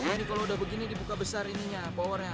ini kalau udah begini dibuka besar ini ya powernya